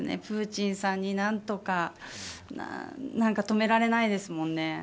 プーチンさんに何とか。何か止められないですもんね。